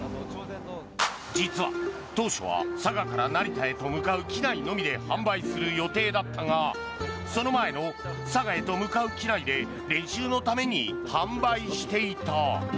実は、当初は佐賀から成田へと向かう機内のみで販売する予定だったがその前の佐賀へと向かう機内で練習のために販売していた。